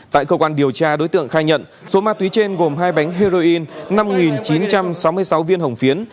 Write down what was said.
tại cơ quan điều tra đối tượng khai nhận số ma túy trên gồm hai bánh heroin năm chín trăm sáu mươi sáu viên hồng phiến